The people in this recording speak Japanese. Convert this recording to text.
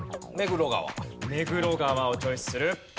目黒川をチョイスする。